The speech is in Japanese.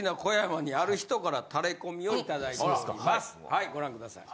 はいご覧ください。